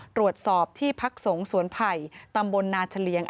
ตรวจสอบที่พักสงฆ์สวนไผ่ตำบลนาเฉลี่ยง